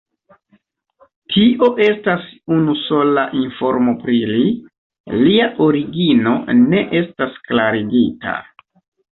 Tio estas unusola informo pri li, lia origino ne estas klarigita.